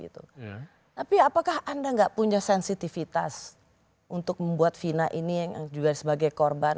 tapi apakah anda nggak punya sensitivitas untuk membuat vina ini yang juga sebagai korban